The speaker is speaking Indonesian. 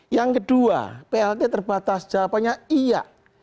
yang kedua plt terbatas jawabannya iya